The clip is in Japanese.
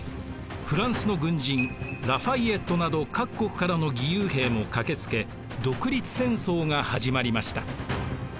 フランスの軍人ラ・ファイエットなど各国からの義勇兵も駆けつけ独立戦争が始まりました。